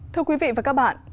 thưa quý vị và các bạn